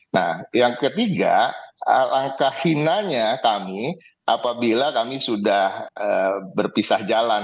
nah yang ketiga langkah hinanya kami apabila kami sudah berpisah jalan